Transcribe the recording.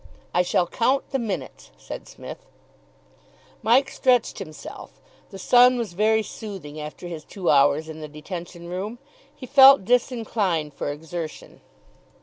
"I shall count the minutes," said Psmith. Mike stretched himself; the sun was very soothing after his two hours in the detention room; he felt disinclined for exertion.